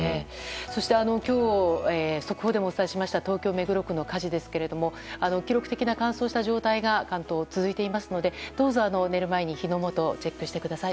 そして、今日速報でもお伝えしました東京・目黒区の火事ですが記録的な乾燥した状態が関東、続いていますのでどうぞ寝る前に火の元をチェックしてください。